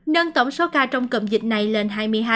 nâng tổng số ca trong cộng dịch này lên hai mươi hai